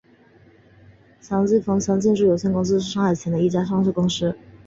祥记冯祥建筑有限公司是一间香港前上市公司。